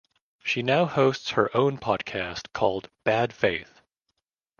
She now hosts her own podcast called "Bad Faith".